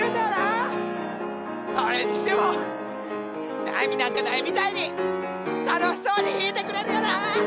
それにしても悩みなんかないみたいに楽しそうに弾いてくれるよな！